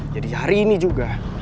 jadi hari ini juga